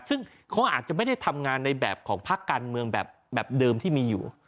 ซึ่งเขาอาจจะไม่ได้ทำงานในแบบของพักการเมืองแบบเดิมที่มีอยู่